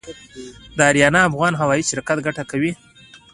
د اریانا افغان هوايي شرکت ګټه کوي؟